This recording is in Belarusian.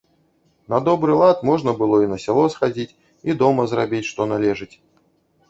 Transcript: На добры лад, можна было і на сяло схадзіць і дома зрабіць, што належыць.